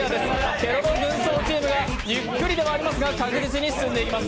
ケロロ軍曹チーム、ゆっくりではありますが、確実に進んでいます。